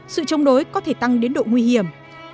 sự chống đối có thể tăng đến độ nguy hiểm